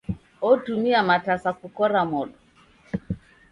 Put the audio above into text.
Otumia matasa kukora modo.